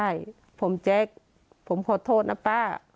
ใช่ผมแจ๊คผมขอโทษนะป้า